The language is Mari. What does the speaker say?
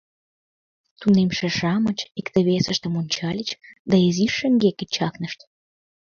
Тунемше-шамыч икте-весыштым ончальыч да изиш шеҥгеке чакнышт.